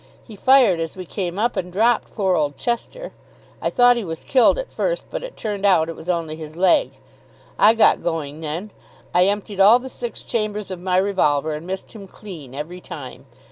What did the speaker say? He fired as we came up, and dropped poor old Chester. I thought he was killed at first, but it turned out it was only his leg. I got going then. I emptied all the six chambers of my revolver, and missed him clean every time.